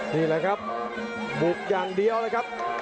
นี่แหละครับบุกอย่างเดียวนะครับ